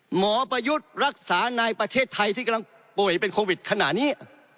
หมอประยุทธ์รักษาในประเทศไทยที่กำลังป่วยเป็นโควิดขณะนี้